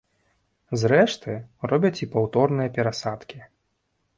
Зрэшты, робяць і паўторныя перасадкі.